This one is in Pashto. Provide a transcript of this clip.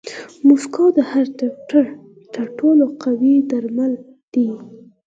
موسکا د هر ډاکټر تر ټولو قوي درمل دي.